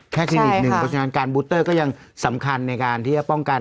คลินิกหนึ่งเพราะฉะนั้นการบูเตอร์ก็ยังสำคัญในการที่จะป้องกัน